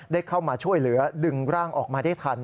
ได้เข้ามาช่วยเหลือดึงร่างออกมาได้ทัน